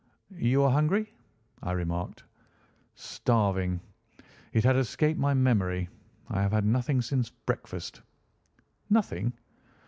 "You are hungry," I remarked. "Starving. It had escaped my memory. I have had nothing since breakfast." "Nothing?"